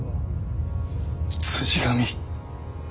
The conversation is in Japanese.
「辻神」。